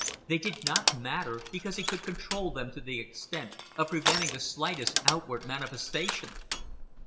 They did not matter, because he could control them to the extent of preventing the slightest outward manifestation.